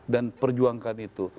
dan perjuangkan itu